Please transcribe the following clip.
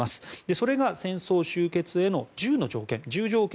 それが、戦争終結への１０条件。